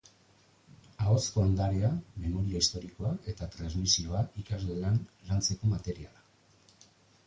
Ahozko ondarea, memoria historikoa eta transmisioa ikasgelan lantzeko materiala.